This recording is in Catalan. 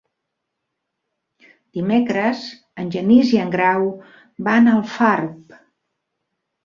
Dimecres en Genís i en Grau van a Alfarb.